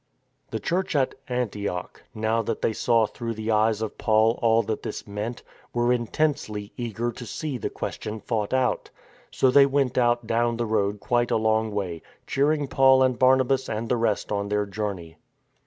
The Church at Antioch, now that they saw through the eyes of Paul all that this meant, were intensely eager to see the question fought out. So they went out down the road quite a long way, cheering Paul and Barnabas and the rest on their journey.